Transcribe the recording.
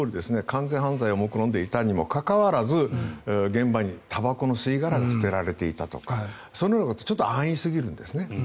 完全犯罪をもくろんでいたにもかかわらず現場に、たばこの吸い殻が捨てられていたとかそのようなことは安易すぎるんですね。